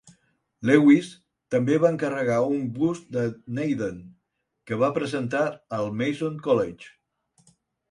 Lewins també va encarregar un bust de Naden, que va presentar al Mason's College.